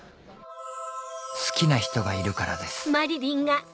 好きな人がいるからです